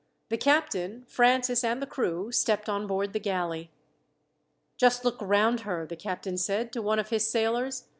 The captain, Francis, and the crew stepped on board the galley. "Just look round her," the captain said to one of his sailors.